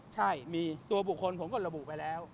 ใช่มีตัวบุคคลผมก็ระบุไปแล้ว